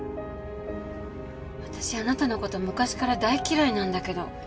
私あなたのこと昔から大嫌いなんだけど。